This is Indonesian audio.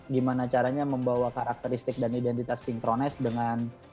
gimana caranya membawa karakteristik dan identitas synchronize dengan